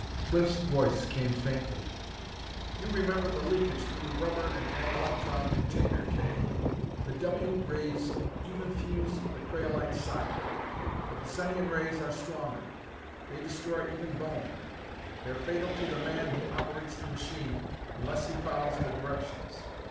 Cliff's voice came faintly. "You remember the leakage through the rubber and analektron container, Kay. The W rays even fused the craolite socket. The psenium rays are stronger. They destroy even bone. They're fatal to the man who operates the machine, unless he follows the directions.